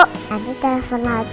nanti telfon lagi ya